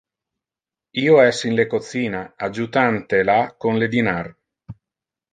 Io es in le cocina adjutante la con le dinar.